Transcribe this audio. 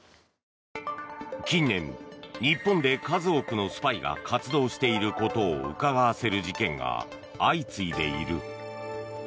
近年、日本で数多くのスパイが活動していることをうかがわせる事件が相次いでいる。